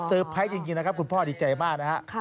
เพอร์ไพรส์จริงนะครับคุณพ่อดีใจมากนะครับ